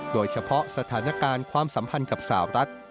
โดยเฉพาะสถานการณ์ความสัมพันธ์กับสาวรัฐ